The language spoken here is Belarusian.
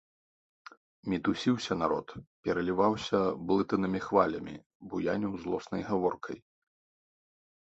Мітусіўся народ, пераліваўся блытанымі хвалямі, буяніў злоснай гаворкай.